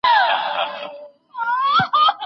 ماشومانو ته د حقیقت ویلو لار وښایئ.